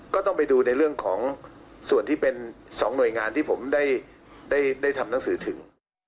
ก็ต้องไปดูในเรื่องของส่วนที่เป็น๒หน่วยงานที่ผมได้ทำหนังสือถึง